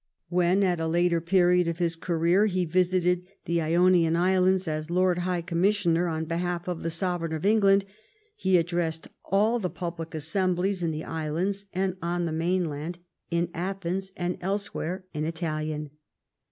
When, at a later period of his career, he visited the Ionian Islands as Lord High Commissioner on behalf of the Sovereign of England, he addressed all the public assemblies in the islands and on the mainland, in Athens and elsewhere, in Italian.